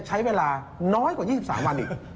ใช้เวลาน้อยกว่า๒๓วันอีก